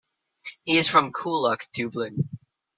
He is from Coolock, Dublin.